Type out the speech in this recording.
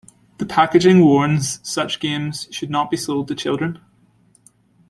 The packaging warns such games should not be sold to children.